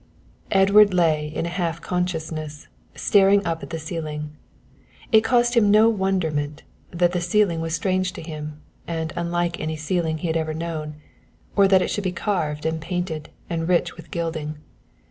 Edward lay in a half consciousness, staring up at the ceiling. It caused him no wonderment that the ceiling was strange to him, and unlike any ceiling he had ever known, or that it should be carved and painted and rich with gilding.